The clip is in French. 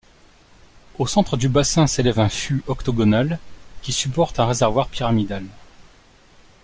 Au centre du bassin s'élève un fût octogonal, qui supporte un réservoir pyramidal.